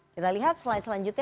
kita lihat slide selanjutnya